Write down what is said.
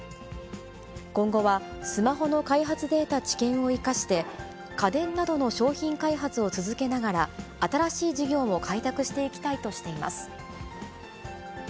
今後はスマホの開発データで得た知見を生かして、家電などの商品開発を続けながら、新しい事業を開拓していきたいとしています。